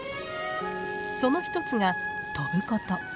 その一つが飛ぶこと。